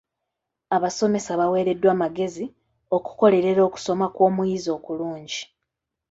Abasomesa baweereddwa amagezi okukolerera okusoma kw'omuyizi okulungi.